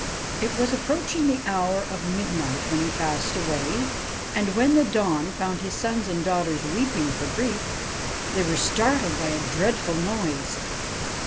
It was approach ing the hour of midnight when he passed away ; and, when the dawn found his sons and daughters weeping for grief, they were startled by a dreadful noise.